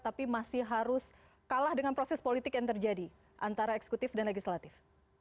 tapi masih harus kalah dengan proses politik yang terjadi antara eksekutif dan legislatif